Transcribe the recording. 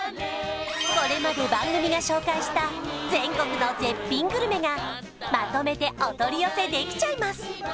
これまで番組が紹介した全国の絶品グルメがまとめてお取り寄せできちゃいます